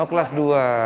oh kelas dua